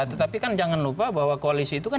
tetapi kan jangan lupa bahwa koalisi itu kan